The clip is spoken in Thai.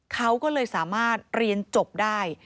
เขาก็เลยสามารถเรียนจบได้